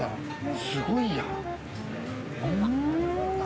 すごいやん。